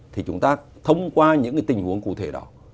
thì chúng ta thông qua những tình huống cụ thể đó